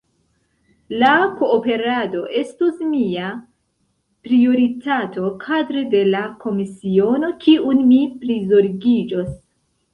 La kooperado estos mia prioritato kadre de la komisiono kiun mi prizorgiĝos.